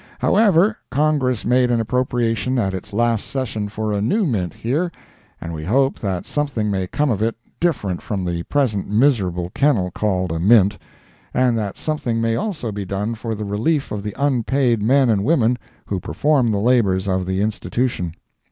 However, Congress made an appropriation at its last session for a new Mint here, and we hope that something may come of it different from the present miserable kennel called a Mint, and that something may also be done for the relief of the unpaid men and women who perform the labors of the institution.